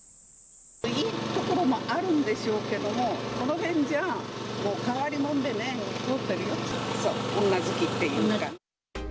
いいところもあるんでしょうけども、この辺じゃもう変わり者でね、通ってるよ、女好きっていうか。